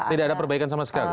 tidak ada perbaikan sama sekali